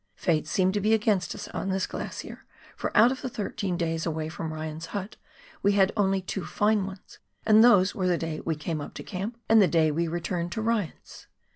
Fate seemed to be against us on this glacier, for out of the thirteen days away from Eyan's hut we only had two fine ones, and those were the day we came up to camp and the day we returned to Ryan's.